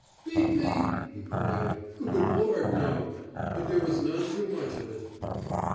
"Beat me?" he cried. "Good Lord, no; but there was none too much in it."